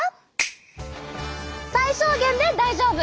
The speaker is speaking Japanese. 最小限で大丈夫。